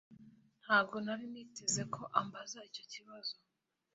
Ntabwo nari niteze ko ambaza icyo kibazo